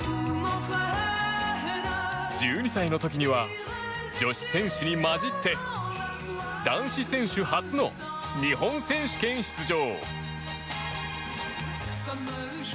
１２歳の時には女子選手に交じって男子選手初の日本選手権出場。